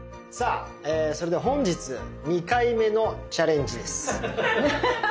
さあそれでは本日２回目のチャレンジです。